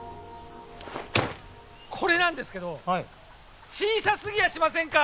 これなんですけど小さすぎやしませんか！？